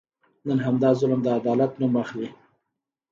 نن همدا ظلم د عدالت نوم اخلي.